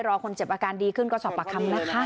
รอคนเจ็บอาการดีขึ้นก็สอบปากคำนะคะ